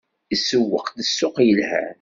Isewweq-d ssuq yelhan.